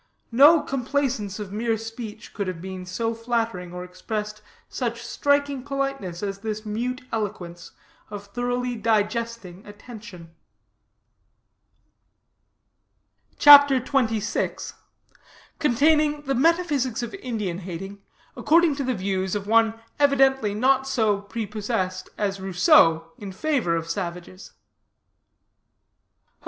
No complaisance of mere speech could have been so flattering, or expressed such striking politeness as this mute eloquence of thoroughly digesting attention. CHAPTER XXVI. CONTAINING THE METAPHYSICS OF INDIAN HATING, ACCORDING TO THE VIEWS OF ONE EVIDENTLY NOT SO PREPOSSESSED AS ROUSSEAU IN FAVOR OF SAVAGES.